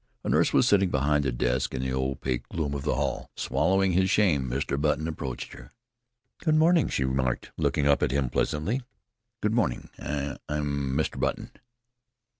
A nurse was sitting behind a desk in the opaque gloom of the hall. Swallowing his shame, Mr. Button approached her. "Good morning," she remarked, looking up at him pleasantly. "Good morning. I I am Mr. Button."